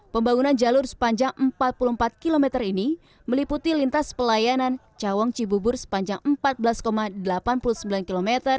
pembangunan jalur sepanjang empat puluh empat km ini meliputi lintas pelayanan cawang cibubur sepanjang empat belas delapan puluh sembilan km